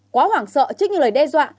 quá hoảng sợ trước những lời đe dọa